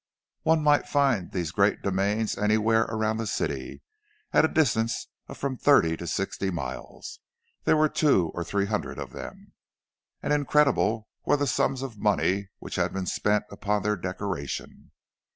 One might find these great domains anywhere around the city, at a distance of from thirty to sixty miles; there were two or three hundred of them, and incredible were the sums of money which had been spent upon their decoration.